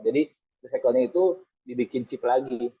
jadi recycle nya itu dibikin sip lagi